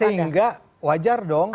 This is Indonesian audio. sehingga wajar dong